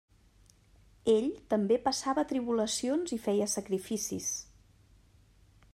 Ell també passava tribulacions i feia sacrificis.